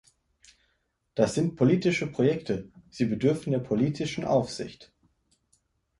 Das sind politische Projekte, sie bedürfen der politischen Aufsicht.